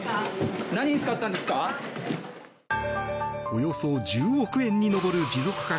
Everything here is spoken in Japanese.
およそ１０億円に上る持続化